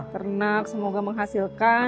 ternak semoga menghasilkan